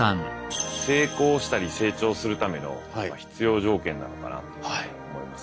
成功したり成長するための必要条件なのかなと思います。